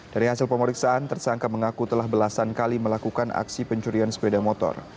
dari hasil pemeriksaan tersangka mengaku telah belasan kali melakukan aksi pencurian sepeda motor